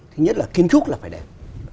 thứ nhất là kiến trúc là phải đẹp